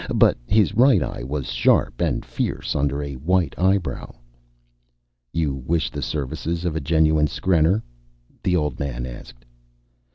But his right eye was sharp and fierce under a white eyebrow. "You wish the services of a genuine skrenner?" the old man asked.